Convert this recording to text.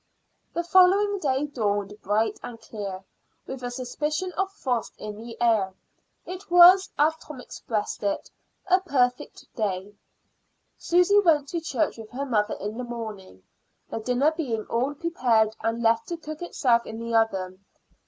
The following day dawned bright and clear, with a suspicion of frost in the air. It was, as Tom expressed it, a perfect day. Susy went to church with her mother in the morning, the dinner being all prepared and left to cook itself in the oven.